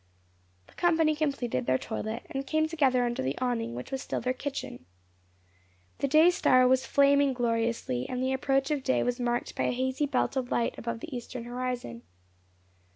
The company completed their toilet, and came together under the awning, which was still their kitchen. The day star was "flaming" gloriously, and the approach of day was marked by a hazy belt of light above the eastern horizon.